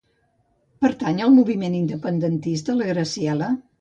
Pertany al moviment independentista la Graciela?